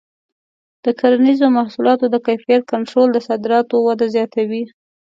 د کرنیزو محصولاتو د کیفیت کنټرول د صادراتو وده زیاتوي.